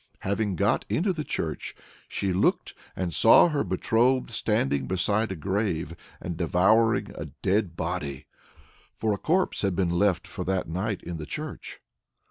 Having got into the church, she looked and saw her betrothed standing beside a grave and devouring a dead body for a corpse had been left for that night in the church.